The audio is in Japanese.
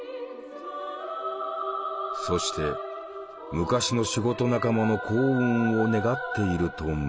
そして「昔の仕事仲間の幸運を願っている」と結んだ。